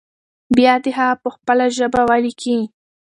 بيا دې هغه په خپله ژبه ولیکي.